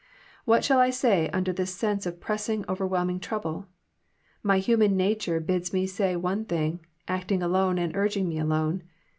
— What shall I say under this sense of pressing, overwhelming trouble? My human nature bids me say one thing, acting alone and urging me alone.